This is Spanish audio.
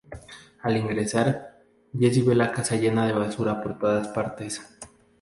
Al ingresar, Jesse ve la casa llena de basura por todas partes.